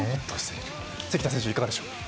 関田選手いかがでしょうか。